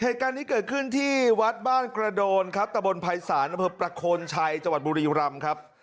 เหตุการณ์นี้เกิดขึ้นที่วัดบ้านกระโดนครับตะบนภัยศาลอำเภอประโคนชัยจังหวัดบุรีรำครับ